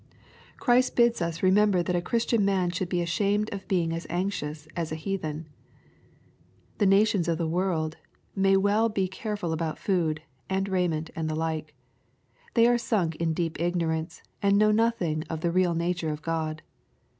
Christ bids us remember that a Christian man should be ashamed of being as anxious as a heathen. The *' nations of the world" may well be careful about food, and raiment, and the like. They are sunk in deep ignorance, and know nothing of the real nature of God.